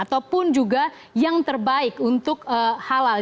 ataupun juga yang terbaik untuk halal